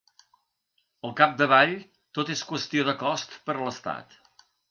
Al capdavall tot és qüestió de cost per a l’estat.